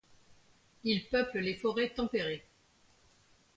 Il peuple les forêts tempérées.